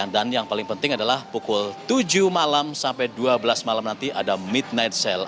dan yang paling penting adalah pukul tujuh malam sampai dua belas malam nanti ada mid net sale